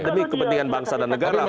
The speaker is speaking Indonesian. demi kepentingan bangsa dan negara